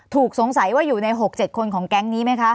สงสัยว่าอยู่ใน๖๗คนของแก๊งนี้ไหมคะ